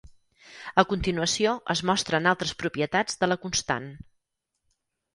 A continuació es mostren altres propietats de la constant.